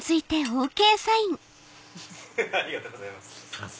ありがとうございます。